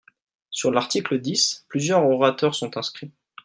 Sur l’article dix, plusieurs orateurs sont inscrits.